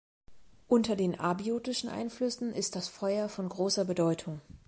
Unter den abiotischen Einflüssen ist das Feuer von großer Bedeutung.